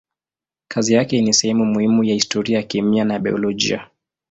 Kazi yake ni sehemu muhimu ya historia ya kemia na biolojia.